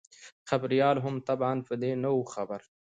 خبریال هم طبعاً په دې نه وو خبر.